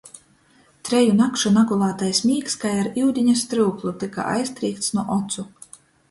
Treju nakšu nagulātais mīgs kai ar iudiņa stryuklu tyka aiztrīkts nu ocu.